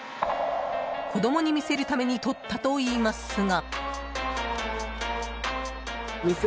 子供に見せるためにとったといいますが。